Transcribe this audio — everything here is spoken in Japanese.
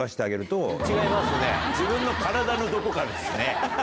自分の体のどこかですね。